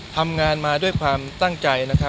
ทำงานมาด้วยความตั้งใจ